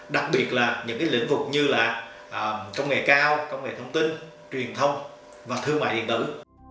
đặc biệt là những lĩnh vực như là công nghệ cao công nghệ thông tin truyền thông và thương mại điện tử